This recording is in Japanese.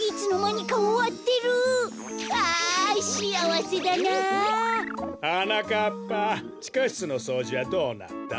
はなかっぱちかしつのそうじはどうなった？